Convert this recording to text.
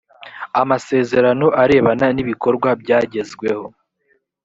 amasezerano arebana n’ ibikorwa byagezweho